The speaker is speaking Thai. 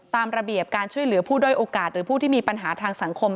ตามระเบียบการช่วยเหลือผู้ด้อยโอกาสหรือผู้ที่มีปัญหาทางสังคม